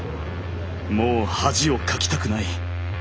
「もう恥をかきたくない」。